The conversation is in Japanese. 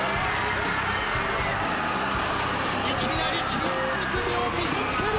いきなり筋肉美を見せつける！